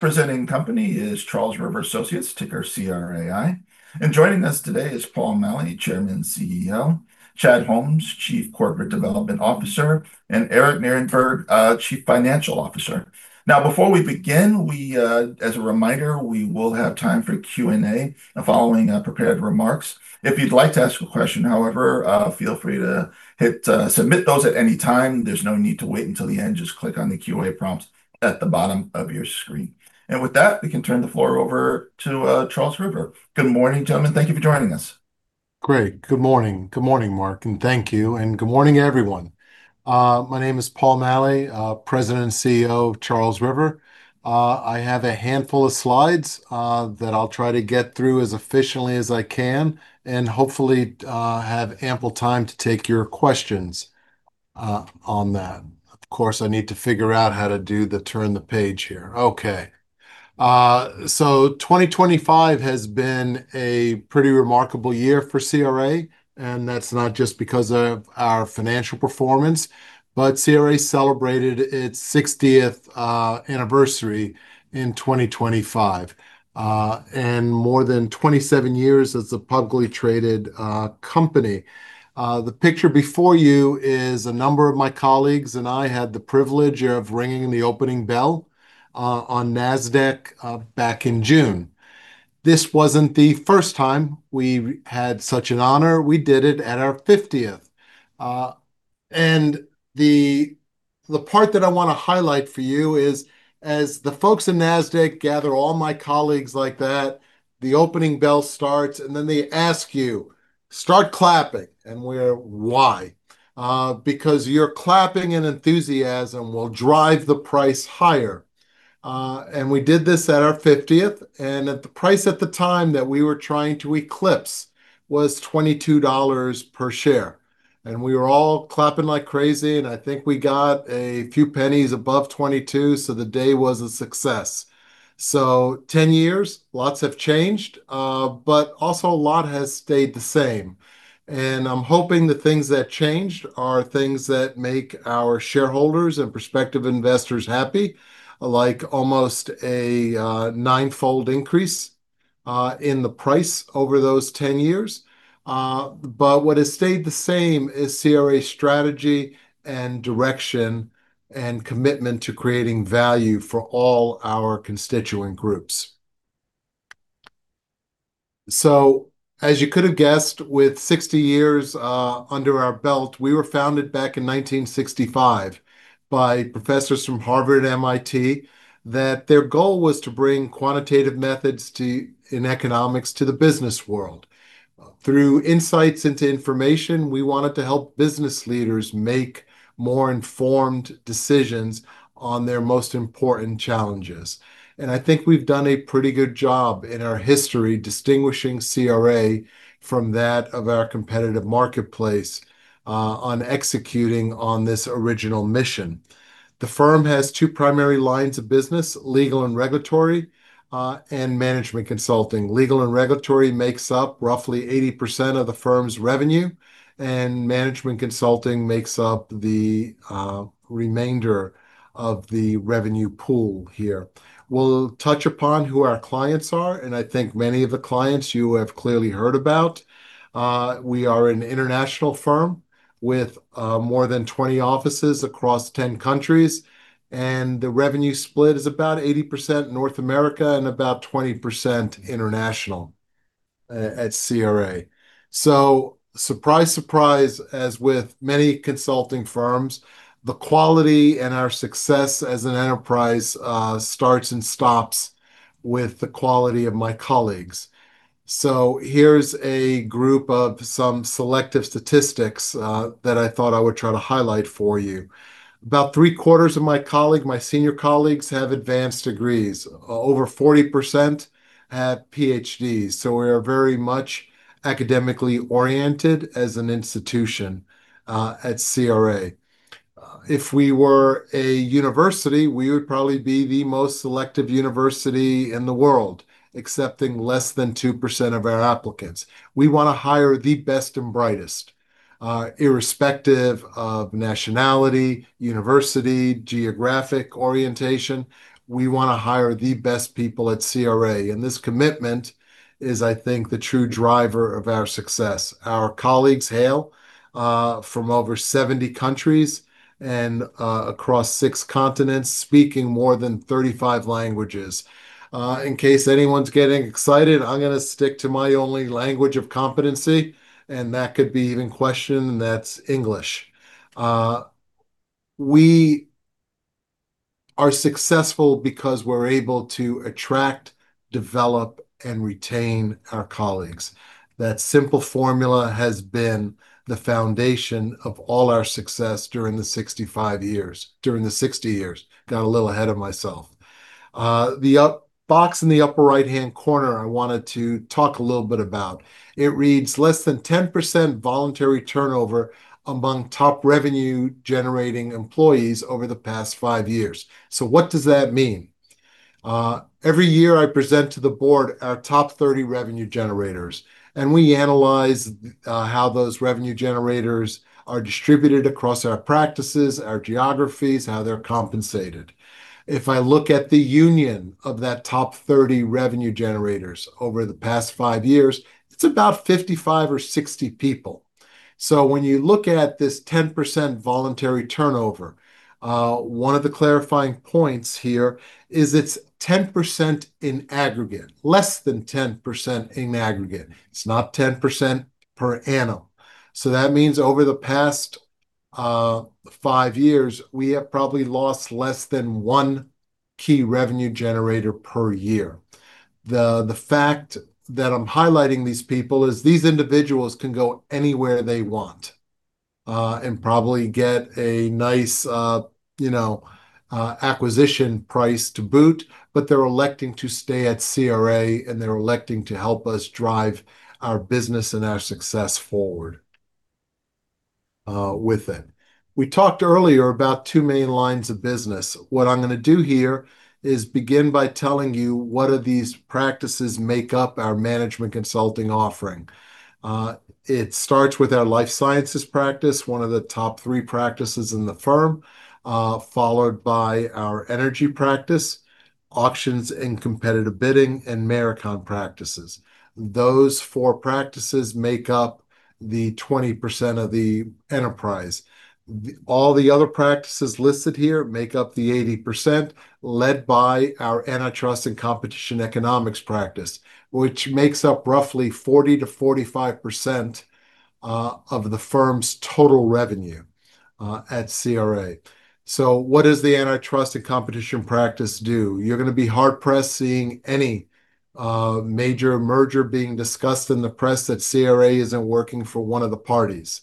Presenting company is Charles River Associates, ticker CRAI. And joining us today is Paul Maleh, Chairman CEO, Chad Holmes, Chief Corporate Development Officer, and Daniel Nierenberg, Chief Financial Officer. Now, before we begin, as a reminder, we will have time for Q&A following prepared remarks. If you'd like to ask a question, however, feel free to submit those at any time. There's no need to wait until the end. Just click on the Q&A prompts at the bottom of your screen. And with that, we can turn the floor over to Charles River. Good morning, gentlemen. Thank you for joining us. Great. Good morning. Good morning, Mark, and thank you and good morning, everyone. My name is Paul Maleh, President and CEO of Charles River. I have a handful of slides that I'll try to get through as efficiently as I can and hopefully have ample time to take your questions on that. Of course, I need to figure out how to do the turn the page here. Okay, so 2025 has been a pretty remarkable year for CRA, and that's not just because of our financial performance, but CRA celebrated its 60th anniversary in 2025 and more than 27 years as a publicly traded company. The picture before you is a number of my colleagues and I had the privilege of ringing the opening bell on Nasdaq back in June. This wasn't the first time we had such an honor. We did it at our 50th. And the part that I want to highlight for you is, as the folks at Nasdaq gather all my colleagues like that, the opening bell starts, and then they ask you, "Start clapping." And we are, "Why?" Because your clapping and enthusiasm will drive the price higher. And we did this at our 50th, and the price at the time that we were trying to eclipse was $22 per share. And we were all clapping like crazy, and I think we got a few pennies above 22, so the day was a success. So 10 years, lots have changed, but also a lot has stayed the same. And I'm hoping the things that changed are things that make our shareholders and prospective investors happy, like almost a nine-fold increase in the price over those 10 years. but what has stayed the same is CRA's strategy and direction and commitment to creating value for all our constituent groups. so, as you could have guessed, with 60 years under our belt, we were founded back in 1965 by professors from Harvard and MIT that their goal was to bring quantitative methods in economics to the business world. Through insights into information, we wanted to help business leaders make more informed decisions on their most important challenges. and I think we've done a pretty good job in our history distinguishing CRA from that of our competitive marketplace on executing on this original mission. The firm has two primary lines of business: legal and regulatory and management consulting. Legal and regulatory makes up roughly 80% of the firm's revenue, and management consulting makes up the remainder of the revenue pool here. We'll touch upon who our clients are, and I think many of the clients you have clearly heard about. We are an international firm with more than 20 offices across 10 countries, and the revenue split is about 80% North America and about 20% international at CRA. So, surprise, surprise, as with many consulting firms, the quality and our success as an enterprise starts and stops with the quality of my colleagues. So here's a group of some selective statistics that I thought I would try to highlight for you. About three-quarters of my senior colleagues have advanced degrees, over 40% have PhDs. So we are very much academically oriented as an institution at CRA. If we were a university, we would probably be the most selective university in the world, accepting less than 2% of our applicants. We want to hire the best and brightest, irrespective of nationality, university, geographic orientation. We want to hire the best people at CRA. And this commitment is, I think, the true driver of our success. Our colleagues hail from over 70 countries and across six continents, speaking more than 35 languages. In case anyone's getting excited, I'm going to stick to my only language of competency, and that could be even questioned, and that's English. We are successful because we're able to attract, develop, and retain our colleagues. That simple formula has been the foundation of all our success during the 65 years, during the 60 years. Got a little ahead of myself. The box in the upper right-hand corner I wanted to talk a little bit about. It reads, "Less than 10% voluntary turnover among top revenue-generating employees over the past five years." So what does that mean? Every year, I present to the board our top 30 revenue generators, and we analyze how those revenue generators are distributed across our practices, our geographies, how they're compensated. If I look at the union of that top 30 revenue generators over the past five years, it's about 55 or 60 people. So when you look at this 10% voluntary turnover, one of the clarifying points here is it's 10% in aggregate, less than 10% in aggregate. It's not 10% per annum. So that means over the past five years, we have probably lost less than one key revenue generator per year. The fact that I'm highlighting these people is these individuals can go anywhere they want and probably get a nice acquisition price to boot, but they're electing to stay at CRA, and they're electing to help us drive our business and our success forward with it. We talked earlier about two main lines of business. What I'm going to do here is begin by telling you what of these practices make up our management consulting offering. It starts with our life sciences practice, one of the top three practices in the firm, followed by our energy practice, auctions and competitive bidding, and maritime practices. Those four practices make up the 20% of the enterprise. All the other practices listed here make up the 80%, led by our antitrust and competition economics practice, which makes up roughly 40%-45% of the firm's total revenue at CRA. What does the antitrust and competition practice do? You're going to be hard-pressed seeing any major merger being discussed in the press that CRA isn't working for one of the parties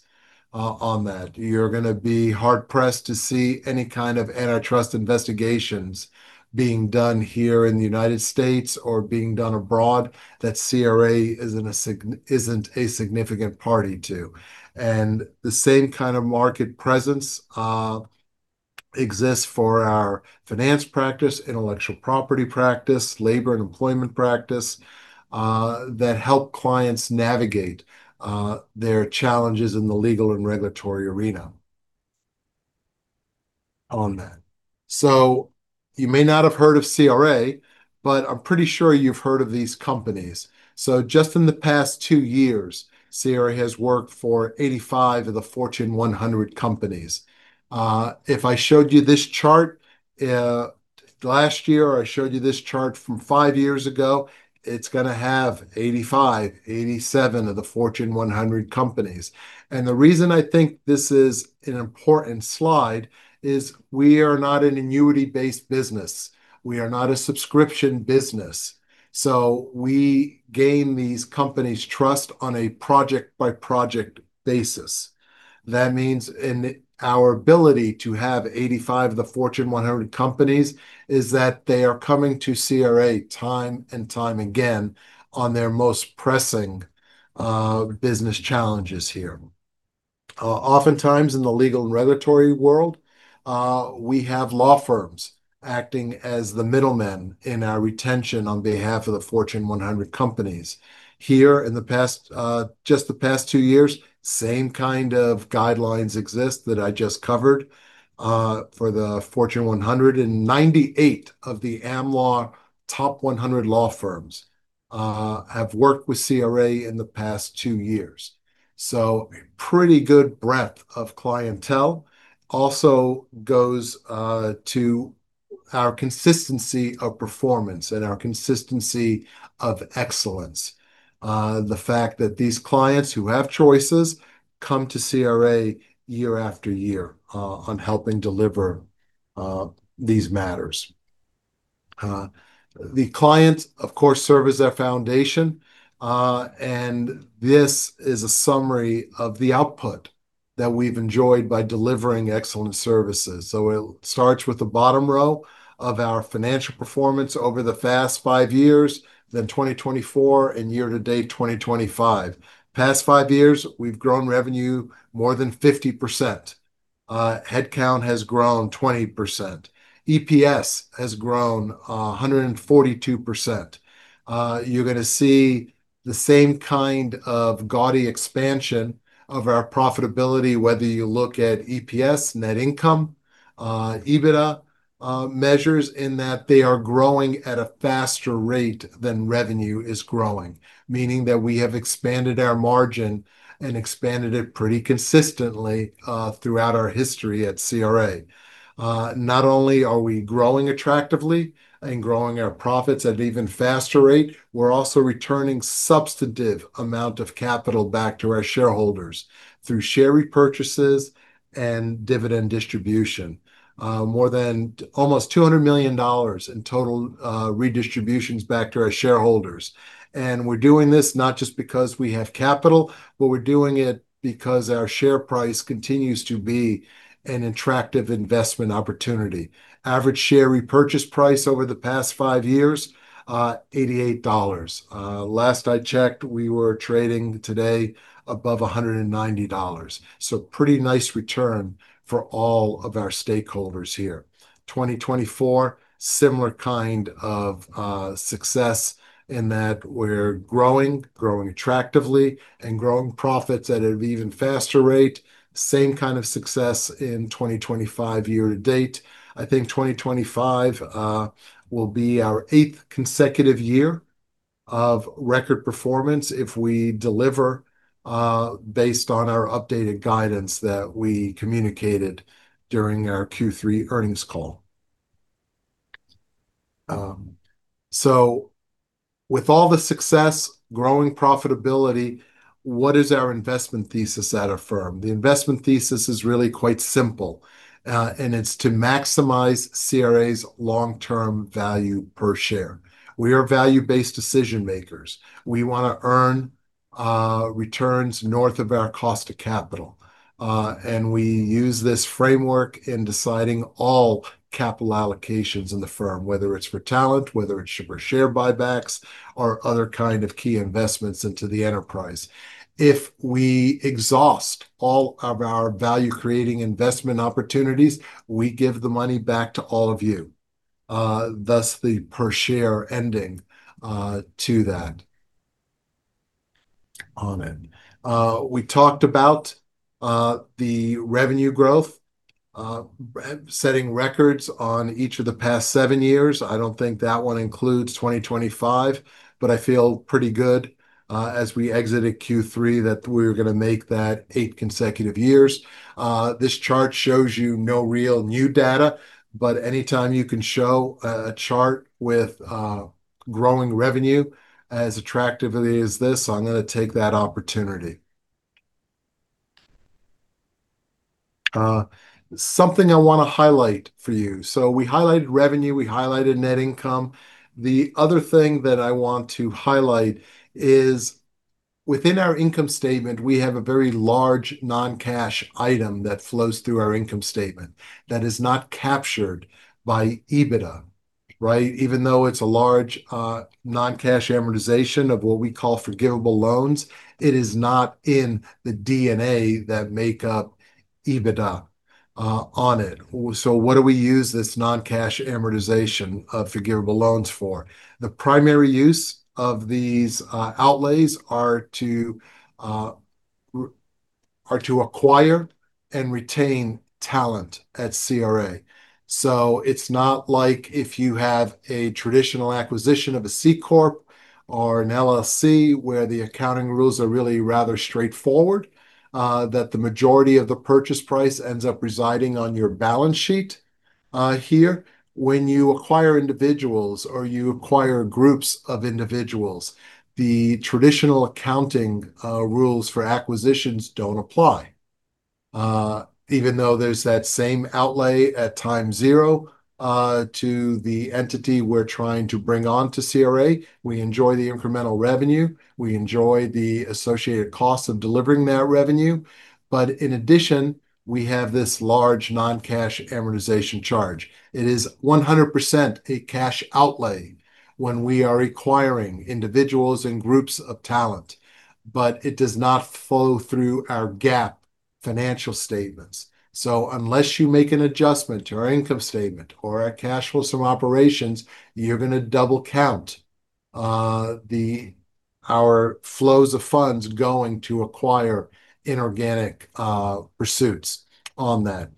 on that. You're going to be hard-pressed to see any kind of antitrust investigations being done here in the United States or being done abroad that CRA isn't a significant party to, and the same kind of market presence exists for our finance practice, intellectual property practice, labor and employment practice that help clients navigate their challenges in the legal and regulatory arena on that, so you may not have heard of CRA, but I'm pretty sure you've heard of these companies, so just in the past two years, CRA has worked for 85 of the Fortune 100 companies. If I showed you this chart last year, or I showed you this chart from five years ago, it's going to have 85, 87 of the Fortune 100 companies, and the reason I think this is an important slide is we are not an annuity-based business. We are not a subscription business. We gain these companies' trust on a project-by-project basis. That means our ability to have 85 of the Fortune 100 companies is that they are coming to CRA time and time again on their most pressing business challenges here. Oftentimes, in the legal and regulatory world, we have law firms acting as the middlemen in our retention on behalf of the Fortune 100 companies. Here, in the past, just the past two years, same kind of guidelines exist that I just covered for the Fortune 100, and 98 of the Am Law 100 law firms have worked with CRA in the past two years. A pretty good breadth of clientele also goes to our consistency of performance and our consistency of excellence, the fact that these clients who have choices come to CRA year after year on helping deliver these matters. The clients, of course, serve as their foundation, and this is a summary of the output that we've enjoyed by delivering excellent services. So it starts with the bottom row of our financial performance over the past five years, then 2024, and year to date 2025. Past five years, we've grown revenue more than 50%. Headcount has grown 20%. EPS has grown 142%. You're going to see the same kind of gaudy expansion of our profitability, whether you look at EPS, net income, EBITDA measures, in that they are growing at a faster rate than revenue is growing, meaning that we have expanded our margin and expanded it pretty consistently throughout our history at CRA. Not only are we growing attractively and growing our profits at an even faster rate, we're also returning a substantive amount of capital back to our shareholders through share repurchases and dividend distribution, more than almost $200 million in total redistributions back to our shareholders. And we're doing this not just because we have capital, but we're doing it because our share price continues to be an attractive investment opportunity. Average share repurchase price over the past five years, $88. Last I checked, we were trading today above $190. So pretty nice return for all of our stakeholders here. 2024, similar kind of success in that we're growing, growing attractively and growing profits at an even faster rate. Same kind of success in 2025, year to date. I think 2025 will be our eighth consecutive year of record performance if we deliver based on our updated guidance that we communicated during our Q3 Earnings Call, so with all the success, growing profitability, what is our investment thesis at our firm? The investment thesis is really quite simple, and it's to maximize CRA's long-term value per share. We are value-based decision-makers. We want to earn returns north of our cost of capital, and we use this framework in deciding all capital allocations in the firm, whether it's for talent, whether it's for share buybacks, or other kind of key investments into the enterprise. If we exhaust all of our value-creating investment opportunities, we give the money back to all of you, thus the per share ending to that. On it. We talked about the revenue growth, setting records on each of the past seven years. I don't think that one includes 2025, but I feel pretty good as we exited Q3 that we were going to make that eight consecutive years. This chart shows you no real new data, but anytime you can show a chart with growing revenue as attractively as this, I'm going to take that opportunity. Something I want to highlight for you. So we highlighted revenue, we highlighted net income. The other thing that I want to highlight is within our income statement, we have a very large non-cash item that flows through our income statement that is not captured by EBITDA, right? Even though it's a large non-cash amortization of what we call forgivable loans, it is not in the DNA that makes up EBITDA on it. So what do we use this non-cash amortization of forgivable loans for? The primary use of these outlays are to acquire and retain talent at CRA. So it's not like if you have a traditional acquisition of a C-Corp or an LLC where the accounting rules are really rather straightforward, that the majority of the purchase price ends up residing on your balance sheet here. When you acquire individuals or you acquire groups of individuals, the traditional accounting rules for acquisitions don't apply. Even though there's that same outlay at time zero to the entity we're trying to bring on to CRA, we enjoy the incremental revenue, we enjoy the associated costs of delivering that revenue. But in addition, we have this large non-cash amortization charge. It is 100% a cash outlay when we are acquiring individuals and groups of talent, but it does not flow through our GAAP financial statements. So unless you make an adjustment to our income statement or our cash flows from operations, you're going to double count our flows of funds going to acquire inorganic pursuits on that.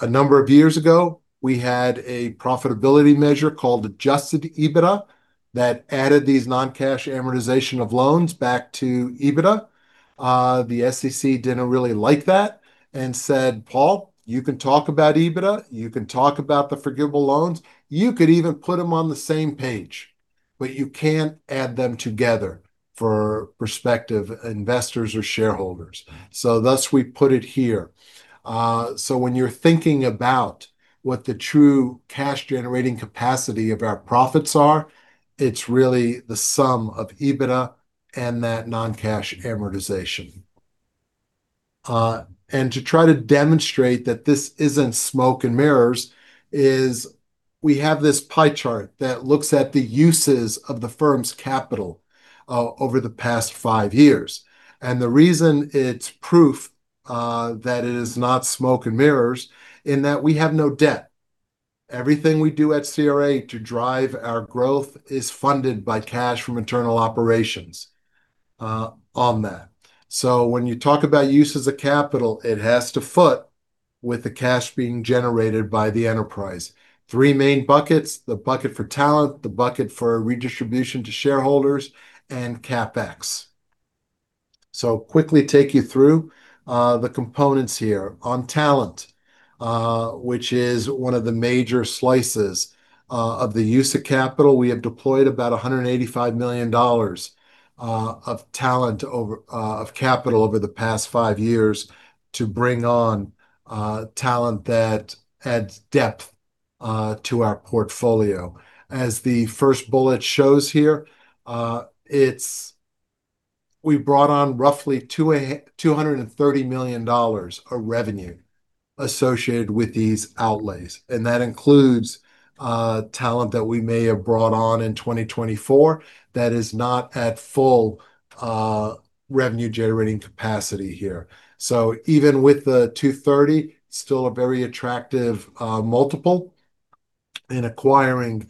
A number of years ago, we had a profitability measure called Adjusted EBITDA that added these non-cash amortization of loans back to EBITDA. The SEC didn't really like that and said, "Paul, you can talk about EBITDA, you can talk about the forgivable loans, you could even put them on the same page, but you can't add them together for prospective investors or shareholders." So thus we put it here. So when you're thinking about what the true cash-generating capacity of our profits are, it's really the sum of EBITDA and that non-cash amortization. And to try to demonstrate that this isn't smoke and mirrors is we have this pie chart that looks at the uses of the firm's capital over the past five years. And the reason it's proof that it is not smoke and mirrors is that we have no debt. Everything we do at CRA to drive our growth is funded by cash from internal operations on that. So when you talk about uses of capital, it has to foot with the cash being generated by the enterprise. Three main buckets: the bucket for talent, the bucket for redistribution to shareholders, and CapEx. So quickly take you through the components here. On talent, which is one of the major slices of the use of capital, we have deployed about $185 million of talent of capital over the past five years to bring on talent that adds depth to our portfolio. As the first bullet shows here, we brought on roughly $230 million of revenue associated with these outlays, and that includes talent that we may have brought on in 2024 that is not at full revenue-generating capacity here, so even with the 230, still a very attractive multiple in acquiring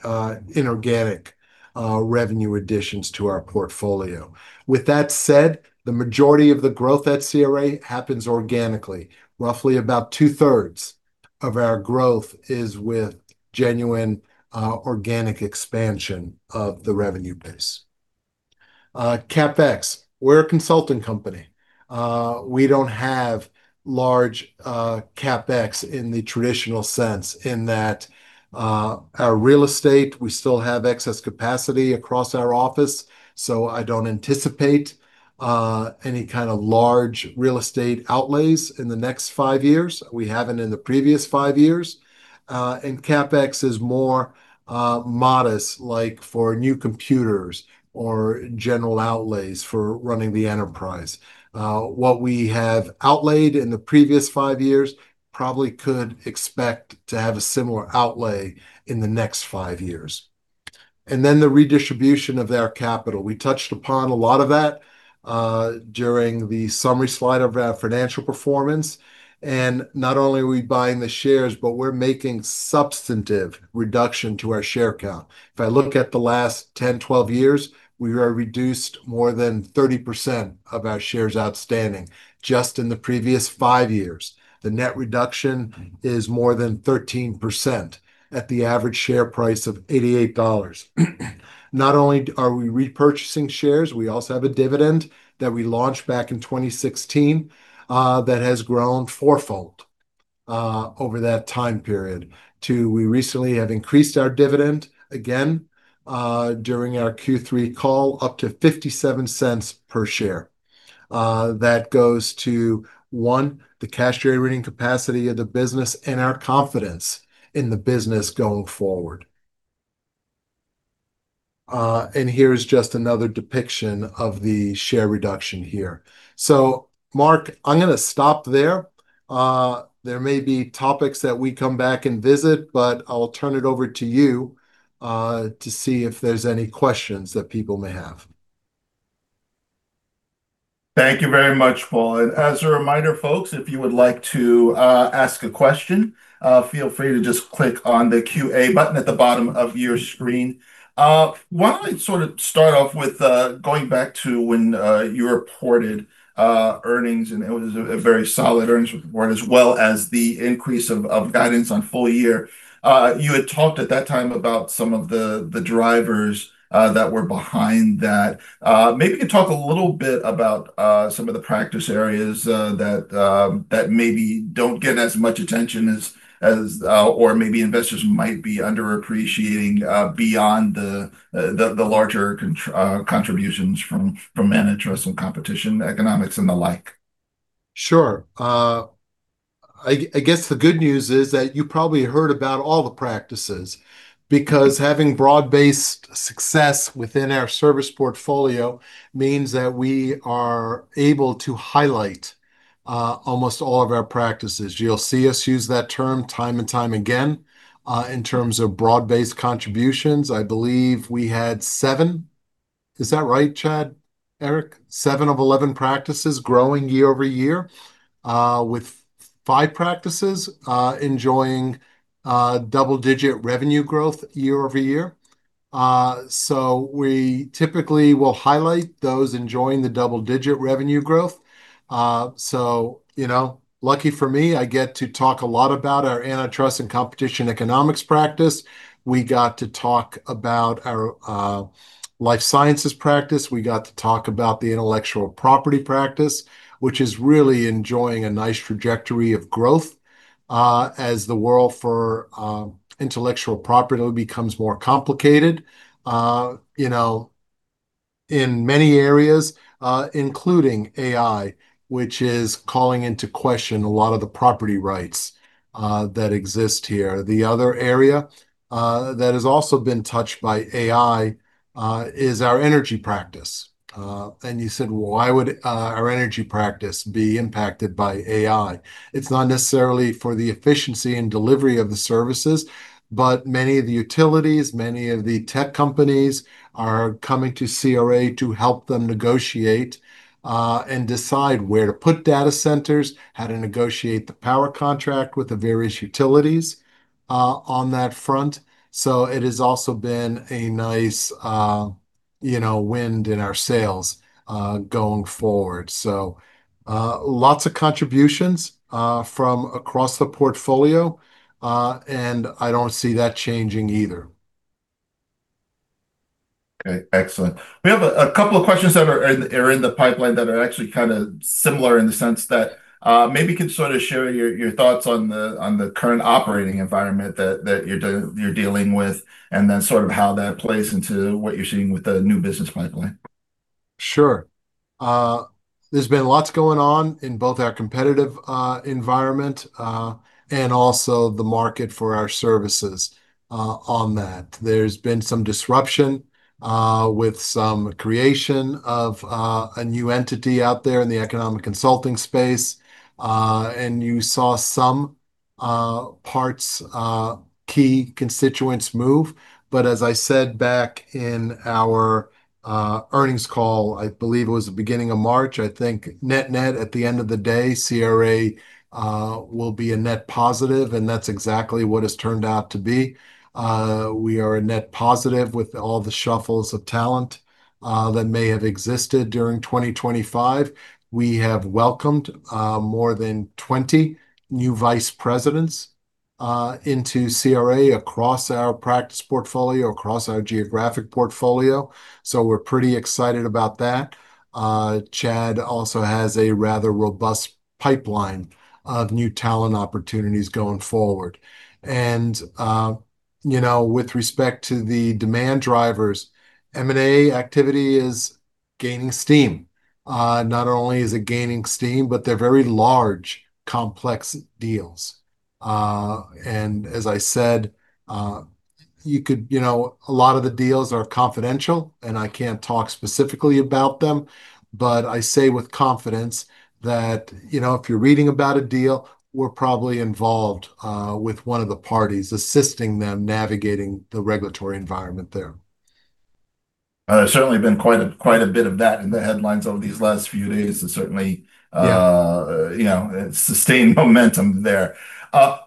inorganic revenue additions to our portfolio. With that said, the majority of the growth at CRA happens organically. Roughly about two-thirds of our growth is with genuine organic expansion of the revenue base. CapEx. We're a consulting company. We don't have large CapEx in the traditional sense, in that our real estate, we still have excess capacity across our office, so I don't anticipate any kind of large real estate outlays in the next five years. We haven't in the previous five years, and CapEx is more modest, like for new computers or general outlays for running the enterprise. What we have outlaid in the previous five years, probably could expect to have a similar outlay in the next five years. And then the redistribution of our capital. We touched upon a lot of that during the summary slide of our financial performance. And not only are we buying the shares, but we're making substantive reduction to our share count. If I look at the last 10, 12 years, we are reduced more than 30% of our shares outstanding just in the previous five years. The net reduction is more than 13% at the average share price of $88. Not only are we repurchasing shares, we also have a dividend that we launched back in 2016 that has grown fourfold over that time period too. We recently have increased our dividend again during our Q3 call up to $0.57 per share. That goes to one, the cash-generating capacity of the business and our confidence in the business going forward. And here's just another depiction of the share reduction here. So Mark, I'm going to stop there. There may be topics that we come back and visit, but I'll turn it over to you to see if there's any questions that people may have. Thank you very much, Paul. And as a reminder, folks, if you would like to ask a question, feel free to just click on the QA button at the bottom of your screen. Why don't we sort of start off with going back to when you reported earnings, and it was a very solid earnings report, as well as the increase of guidance on full year. You had talked at that time about some of the drivers that were behind that. Maybe you could talk a little bit about some of the practice areas that maybe don't get as much attention as or maybe investors might be underappreciating beyond the larger contributions from Management Consulting and competition economics and the like. Sure. I guess the good news is that you probably heard about all the practices because having broad-based success within our service portfolio means that we are able to highlight almost all of our practices. You'll see us use that term time and time again in terms of broad-based contributions. I believe we had seven. Is that right, Chad, Eric? Seven of 11 practices growing year over year with five practices enjoying double-digit revenue growth year over year. So we typically will highlight those enjoying the double-digit revenue growth. So lucky for me, I get to talk a lot about our antitrust and competition economics practice. We got to talk about our life sciences practice. We got to talk about the intellectual property practice, which is really enjoying a nice trajectory of growth as the world for intellectual property becomes more complicated in many areas, including AI, which is calling into question a lot of the property rights that exist here. The other area that has also been touched by AI is our energy practice, and you said, "Why would our energy practice be impacted by AI?" It's not necessarily for the efficiency and delivery of the services, but many of the utilities, many of the tech companies are coming to CRA to help them negotiate and decide where to put data centers, how to negotiate the power contract with the various utilities on that front, so it has also been a nice wind in our sales going forward. So lots of contributions from across the portfolio, and I don't see that changing either. Okay. Excellent. We have a couple of questions that are in the pipeline that are actually kind of similar in the sense that maybe you could sort of share your thoughts on the current operating environment that you're dealing with and then sort of how that plays into what you're seeing with the new business pipeline. Sure. There's been lots going on in both our competitive environment and also the market for our services on that. There's been some disruption with some creation of a new entity out there in the economic consulting space. And you saw some partners, key constituents move. But as I said back in our earnings call, I believe it was the beginning of March, I think, net-net at the end of the day, CRA will be a net positive, and that's exactly what has turned out to be. We are a net positive with all the shuffles of talent that may have existed during 2025. We have welcomed more than 20 new vice presidents into CRA across our practice portfolio, across our geographic portfolio. So we're pretty excited about that. Chad also has a rather robust pipeline of new talent opportunities going forward. And with respect to the demand drivers, M&A activity is gaining steam. Not only is it gaining steam, but they're very large, complex deals. And as I said, a lot of the deals are confidential, and I can't talk specifically about them. But I say with confidence that if you're reading about a deal, we're probably involved with one of the parties assisting them navigating the regulatory environment there. There's certainly been quite a bit of that in the headlines over these last few days. It certainly sustained momentum there.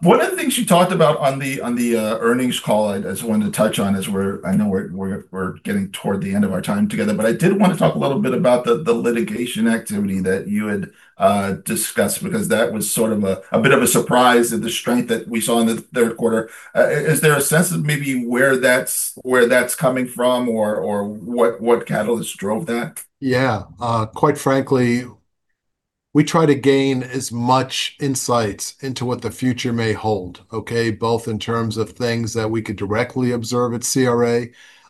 One of the things you talked about on the earnings call I just wanted to touch on is I know we're getting toward the end of our time together, but I did want to talk a little bit about the litigation activity that you had discussed because that was sort of a bit of a surprise of the strength that we saw in the third quarter. Is there a sense of maybe where that's coming from or what catalysts drove that? Yeah. Quite frankly, we try to gain as much insights into what the future may hold, okay, both in terms of things that we could directly observe at CRA,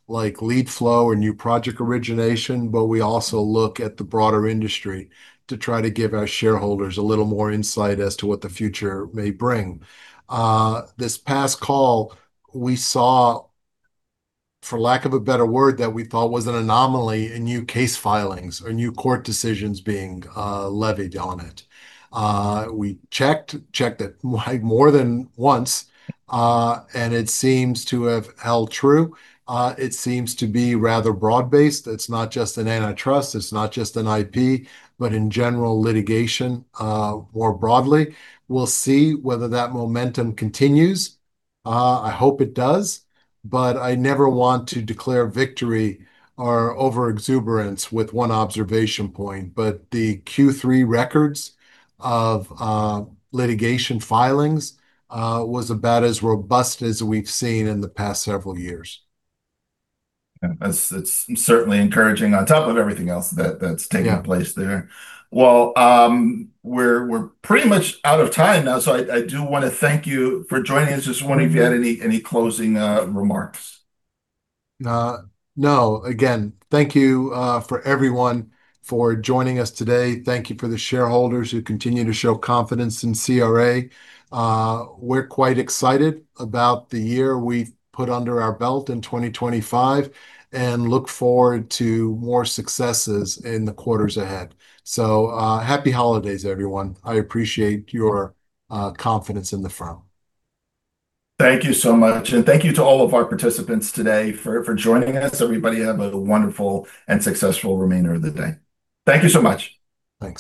like lead flow or new project origination, but we also look at the broader industry to try to give our shareholders a little more insight as to what the future may bring. This past call, we saw, for lack of a better word, that we thought was an anomaly in new case filings or new court decisions being levied on it. We checked it more than once, and it seems to have held true. It seems to be rather broad-based. It's not just an antitrust. It's not just an IP, but in general, litigation more broadly. We'll see whether that momentum continues. I hope it does, but I never want to declare victory or overexuberance with one observation point. But the Q3 records of litigation filings was about as robust as we've seen in the past several years. It's certainly encouraging on top of everything else that's taking place there. Well, we're pretty much out of time now, so I do want to thank you for joining. I just wonder if you had any closing remarks. No. Again, thank you for everyone for joining us today. Thank you for the shareholders who continue to show confidence in CRA. We're quite excited about the year we've put under our belt in 2025 and look forward to more successes in the quarters ahead. So happy holidays, everyone. I appreciate your confidence in the firm. Thank you so much. And thank you to all of our participants today for joining us. Everybody have a wonderful and successful remainder of the day. Thank you so much. Thanks.